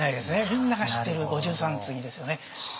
みんなが知ってる五十三次ですよね。